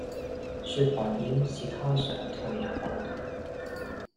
說白點是他想退也不能